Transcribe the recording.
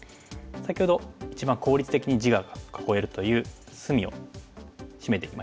先ほど一番効率的に地が囲えるという隅をシメていきましたね。